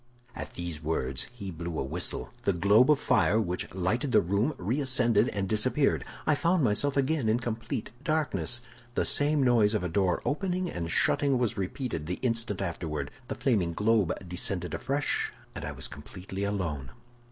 "At these words he blew a whistle; the globe of fire which lighted the room reascended and disappeared. I found myself again in complete darkness. The same noise of a door opening and shutting was repeated the instant afterward; the flaming globe descended afresh, and I was completely alone.